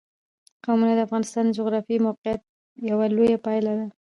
قومونه د افغانستان د جغرافیایي موقیعت یوه لویه پایله ده.